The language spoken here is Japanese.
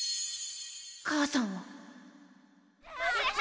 母さんを。